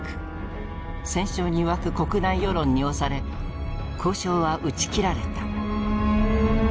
戦勝に沸く国内世論に押され交渉は打ち切られた。